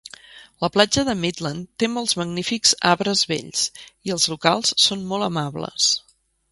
La platja de Midland té molts magnífics arbres vells i els locals són molt amables.